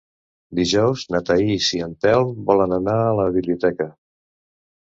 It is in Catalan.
Dijous na Thaís i en Telm volen anar a la biblioteca.